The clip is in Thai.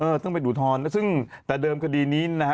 เออต้องเป็นอุทธรรมซึ่งแต่เดิมคดีนี้นะฮะ